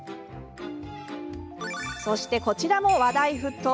そして、こちらも話題沸騰。